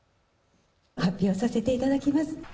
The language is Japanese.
発表させていただきます。